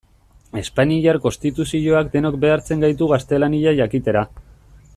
Espainiar Konstituzioak denok behartzen gaitu gaztelania jakitera.